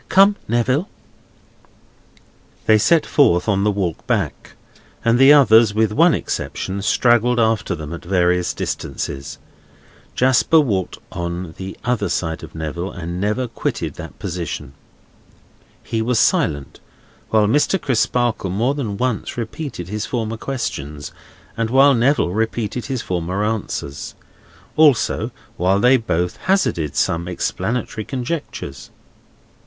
"Come, Neville!" They set forth on the walk back; and the others, with one exception, straggled after them at various distances. Jasper walked on the other side of Neville, and never quitted that position. He was silent, while Mr. Crisparkle more than once repeated his former questions, and while Neville repeated his former answers; also, while they both hazarded some explanatory conjectures.